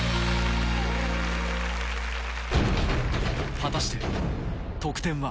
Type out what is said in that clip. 果たして得点は？